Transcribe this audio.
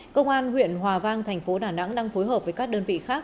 công an huyện hòa vang thành phố đà nẵng đang phối hợp với các đơn vị khác